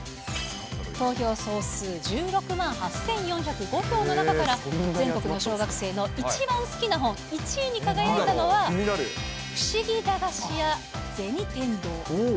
投票総数１６万８４０５票の中から、全国の小学生の一番好きな本、１位に輝いたのは、ふしぎ駄菓子屋銭天堂。